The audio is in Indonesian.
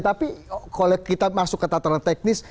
tapi kalau kita masuk ke tataran teknis